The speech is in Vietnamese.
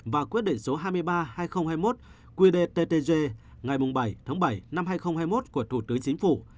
và quyết định số hai mươi ba hai nghìn hai mươi một qdttg ngày bảy tháng bảy năm hai nghìn hai mươi một của thủ tướng chính phủ